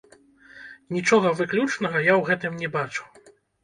Нічога выключнага я ў гэтым не бачу.